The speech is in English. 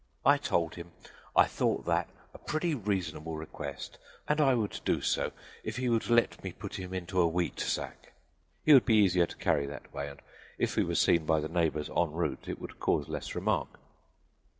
"I told him I thought that a pretty reasonable request and I would do so if he would let me put him into a wheat sack; he would be easier to carry that way and if we were seen by the neighbors en route it would cause less remark.